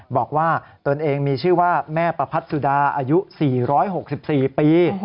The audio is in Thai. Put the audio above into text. บอกว่าตนเองมีชื่อว่าแม่ประพัทธ์สุดาอายุ๔๖๔ปี